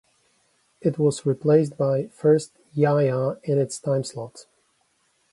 It was replaced by "First Yaya" in its timeslot.